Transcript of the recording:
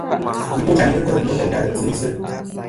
Ibochayn i ghɨ ntè' kemɨ teyn ta tɨsilisɨ.